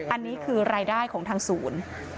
อันนี้คือรายได้ของทางศูนย์